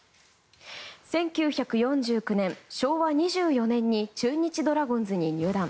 １９４９年、昭和２４年に中日ドラゴンズに入団。